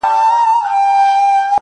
بهرني نظرونه موضوع زياتوي نور،